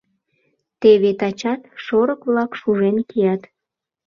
Теве тачат шорык-влак шужен кият.